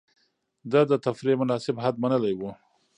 ده د تفريح مناسب حد منلی و.